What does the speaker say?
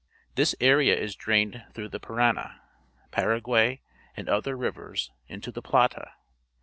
This area is drained through the Parana, Paraguay, and other rivers, into the Plata.